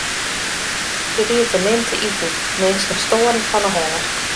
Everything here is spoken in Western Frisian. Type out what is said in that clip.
Der wie te min te iten, minsken stoaren fan 'e honger.